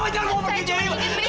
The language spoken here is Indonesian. mama jangan mau pergi dewi